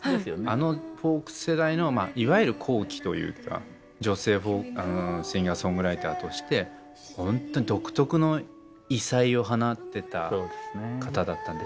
あのフォーク世代のいわゆる後期というか女性シンガーソングライターとしてホントに独特の異彩を放ってた方だったんでしょうね。